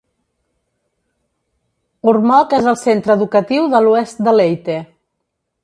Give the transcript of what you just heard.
Ormoc és el centre educatiu de l'oest de Leyte.